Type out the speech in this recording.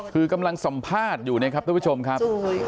คือกำลังสัมภาษณ์อยู่นะครับทุกผู้ชมครับ